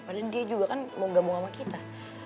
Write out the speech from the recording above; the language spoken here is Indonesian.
padahal dia juga kan mau gabung sama kita